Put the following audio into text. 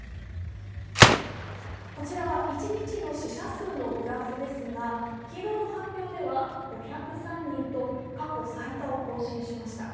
こちらは一日の死者数のグラフですが昨日の発表では５０３人と過去最多を更新しました。